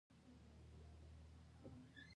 کلي د اړتیاوو د پوره کولو وسیله ده.